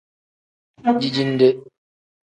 Dijinde.